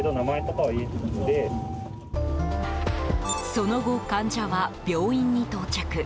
その後、患者は病院に到着。